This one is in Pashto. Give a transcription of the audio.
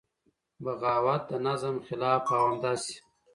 بغاوت د نظام خلاف او همداسې